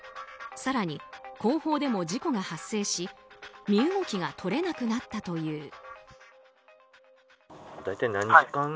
更に、後方でも事故が発生し身動きが取れなくなったという。